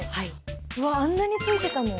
うわっあんなについてたもん。